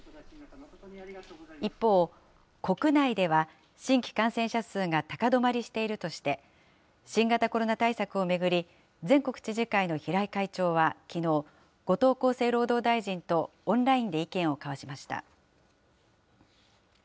一方、国内では新規感染者数が高止まりしているとして、新型コロナ対策を巡り、全国知事会の平井会長はきのう、後藤厚生労働大臣とオンラインで意見を交わしました。